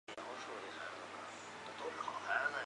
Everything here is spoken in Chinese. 云南獐牙菜为龙胆科獐牙菜属下的一个种。